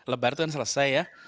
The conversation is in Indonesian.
lebar itu selesai ya